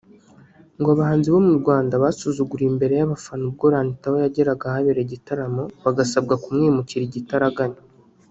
ngo abahanzi bo mu Rwanda basuzuguriwe imbere y’abafana ubwo RunTown yageraga ahabereye igitaramo bagasabwa kumwimukira igitaraganya